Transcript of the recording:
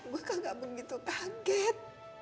gue kagak begitu kaget